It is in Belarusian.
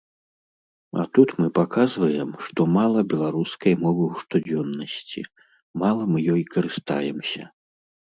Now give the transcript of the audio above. А тут мы паказваем, што мала беларускай мовы ў штодзённасці, мала мы ёй карыстаемся.